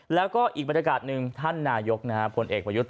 แล้วก็อีกบรรยากาศหนึ่งท่านนายกพลเอกประยุทธ์